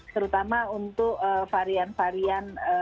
terutama untuk varian varian